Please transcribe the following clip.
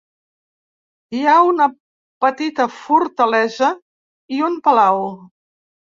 Hi ha una petita fortalesa i un palau.